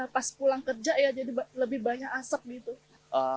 pas pulang kerja ya jadi lebih banyak asap gitu